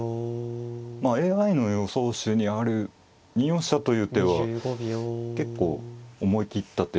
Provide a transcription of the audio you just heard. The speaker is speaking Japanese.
まあＡＩの予想手にある２四飛車という手は結構思い切った手で。